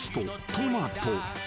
トマト］